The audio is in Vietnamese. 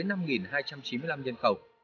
hai hai trăm chín mươi năm nhân khẩu